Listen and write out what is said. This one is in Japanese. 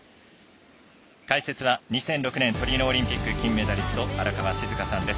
解説は２００６年トリノオリンピック金メダリスト荒川静香さんです。